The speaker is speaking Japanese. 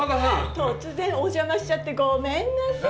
突然お邪魔しちゃってごめんなさい。